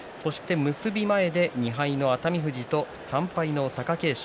結び前で２敗の熱海富士と３敗の貴景勝。